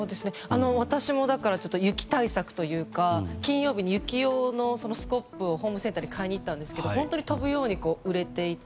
私も雪対策というか金曜日に雪用のスコップをホームセンターに買いに行ったんですが飛ぶように売れていて。